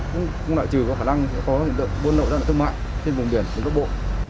cũng lại trừ có khả năng có những đợt vôn nội đoạn thương mại trên vùng biển trên góc bộ